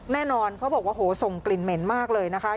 แน่นอนเขาบอกว่าโหส่งกลิ่นเหม็นมากเลยนะคะ